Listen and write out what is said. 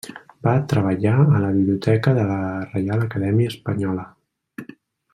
Va treballar a la biblioteca de la Reial Acadèmia Espanyola.